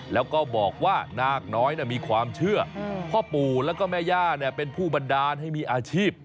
แล้วก็บอกว่านาคน้อยมีความเชื่อพ่อปู่แล้วก็แม่ย่าเป็นผู้บันดาลให้มีอาชีพ